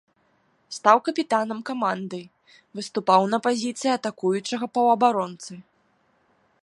Стаў капітанам каманды, выступаў на пазіцыі атакуючага паўабаронцы.